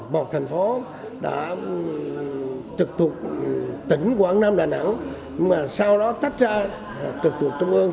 một thành phố đã trực thuộc tỉnh quảng nam đà nẵng mà sau đó tách ra trực tượng trung ương